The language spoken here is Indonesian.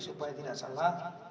supaya tidak salah